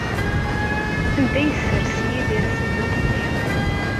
Anda ay yessers Yidir asenduq-nni?